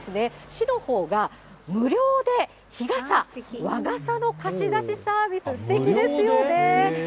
市のほうが無料で日傘、和傘の貸し出しサービス、すてきですよね。